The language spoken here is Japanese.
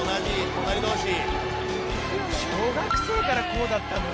「小学生からこうだったの？」